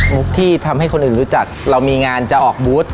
ที่ทำให้คนอื่นรู้จักเรามีงานจะออกบูธ